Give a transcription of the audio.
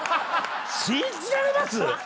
信じられます